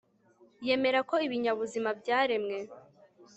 yemera ko ibinyabuzima byaremwe